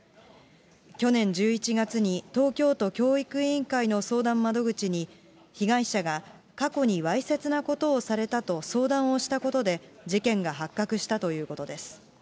去年１１月に東京都教育委員会の相談窓口に、被害者が、過去にわいせつなことをされたと相談をしたことで、事件が発覚したということです。